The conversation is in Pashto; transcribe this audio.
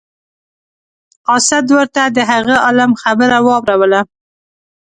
قاصد ورته د هغه عالم خبره واوروله.